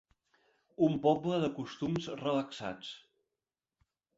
Un poble de costums relaxats.